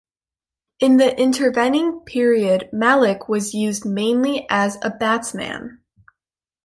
In the intervening period, Malik was used mainly as a batsman.